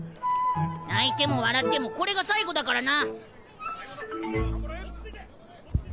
泣いても笑ってもこれが最後だからな。